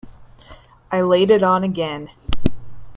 I laid it on again.